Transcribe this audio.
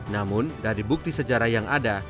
namun dari bukti sejarah yang ada